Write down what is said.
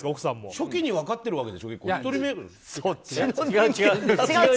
初期に分かってるわけでしょ。